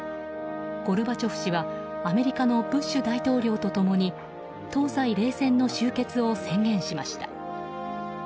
ゴルバチョフ氏はアメリカのブッシュ大統領と共に東西冷戦の終結を宣言しました。